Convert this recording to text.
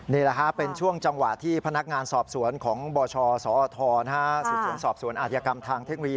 นี่แหละฮะเป็นช่วงจังหวะที่พนักงานสอบสวนของบชสอทสืบสวนสอบสวนอาธิกรรมทางเทคโนโลยี